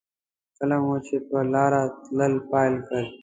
کله مو چې په لاره تلل پیل کړل.